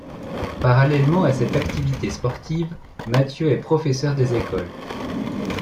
Parallèlement à cette activité sportive, Mathieu est professeur des écoles.